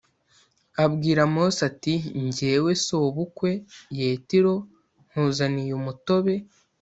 Abwira Mose ati Jyewe sobukwe Yetiro nkuzaniye umutobe